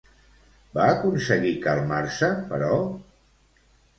Va aconseguir calmar-se, però?